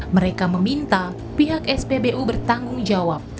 mereka meminta pihak spbu bertanggung jawab